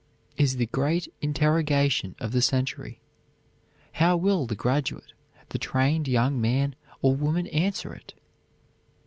is the great interrogation of the century. How will the graduate, the trained young man or woman answer it?